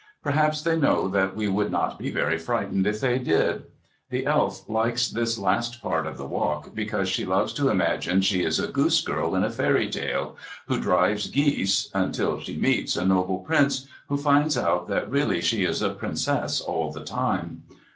Perhaps they know that we would not be very frightened if they did. The Elf likes this last part of the walk, because she loves to imagine she is a goosegirl in a fairy tale, who drives geese, until she meets a noble Prince, who finds out that really she is a Princess all the time.